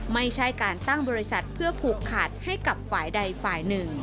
ไม่ใช่การตั้งบริษัทเพื่อผูกขัดให้กับฝ่ายใดฝ่ายหนึ่ง